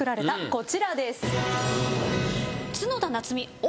こちらです。